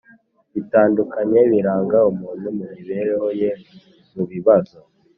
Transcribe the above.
bitandukanye biranga umuntu mu mibereho ye Mu bibazo